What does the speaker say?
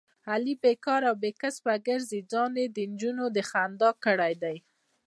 علي بیکاره او بې کسبه ګرځي، ځان یې دنجونو د خندا کړی دی.